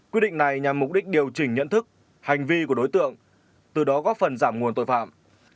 quy định này nhằm mục đích điều chỉnh nhận thức hành vi của đối tượng từ đó góp phần giảm nguồn tội phạm